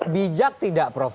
bijak tidak prof